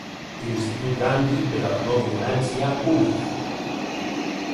Institut Gandhi per a la No-Violència, Univ.